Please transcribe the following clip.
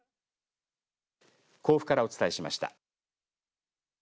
甲府からお伝えしました。